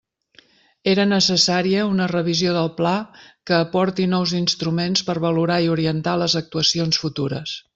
Era necessària una revisió del Pla que aporti nous instruments per valorar i orientar les actuacions futures.